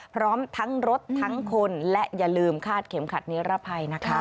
พร้อมทั้งรถทั้งคนและอย่าลืมคาดเข็มขัดนิรภัยนะคะ